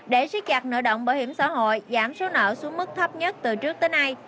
để xích chặt nợ động bảo hiểm xã hội giảm số nợ xuống mức thấp nhất từ trước tới nay